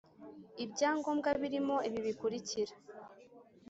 ibyangombwa birimo ibi bikurikira